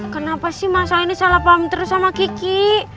kenapa sih masalah ini salah paham terus sama kiki